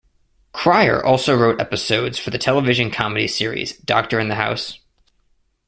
Cryer also wrote episodes for the television comedy series "Doctor in the House".